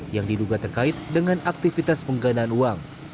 yang diduga terkait dengan aktivitas penggandaan uang